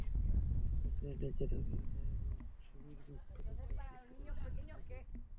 শিক্ষার্থীদের ন্যায্য দাবি আদায় এবং শিবিরমুক্ত ক্যাম্পাস গড়তে তিনি সচেষ্ট থাকবেন।